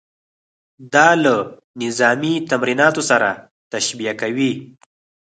دا له نظامي تمریناتو سره تشبیه کوي.